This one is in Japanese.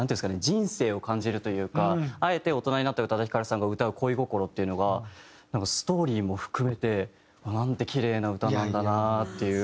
人生を感じるというかあえて大人になった宇多田ヒカルさんが歌う恋心っていうのがなんかストーリーも含めてなんてキレイな歌なんだなっていう。